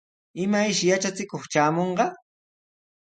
¿Imayshi yatrachikuq traamunqa?